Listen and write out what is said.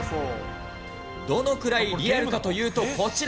どのくらいリアルかというと、こちら。